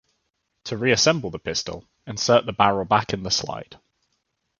To reassemble the pistol, insert the barrel back in the slide.